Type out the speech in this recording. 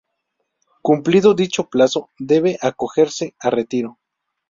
Cumplido dicho plazo, debe acogerse a retiro.